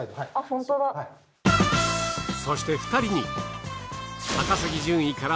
そして２人に。